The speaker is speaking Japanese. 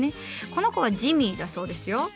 この子はジミーだそうですよ。